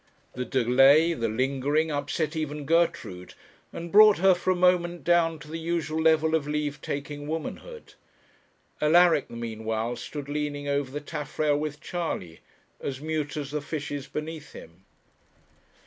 The delay, the lingering, upset even Gertrude, and brought her for a moment down to the usual level of leave taking womanhood. Alaric, the meanwhile, stood leaning over the taffrail with Charley, as mute as the fishes beneath him.